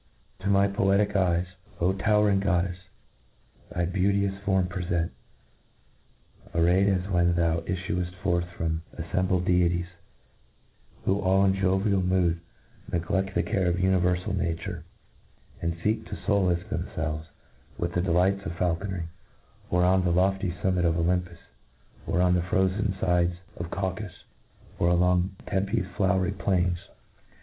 To my poetic eyes, ' O towering goddcfs, thy beauteous form prefent, arrayed as when thou iffueft forth among affcniT bled deities, who all in jovial mood negledl the care of univerfal liature, and feek to folace themT felves with the delights of faukonry, or on the lofty fummit ^of Olympus, or on the frozen fides of Caucafus, or along Tcmpe's flowery plains.